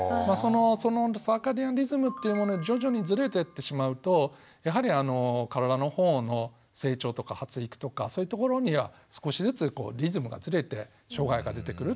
そのサーカディアンリズムというもの徐々にずれてってしまうとやはりあの体の方の成長とか発育とかそういうところには少しずつこうリズムがずれて障害が出てくるというふうにも考えられてます。